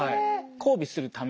交尾するために。